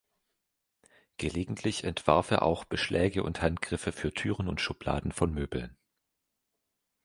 Gelegentlich entwarf er auch Beschläge und Handgriffe für Türen und Schubladen von Möbeln.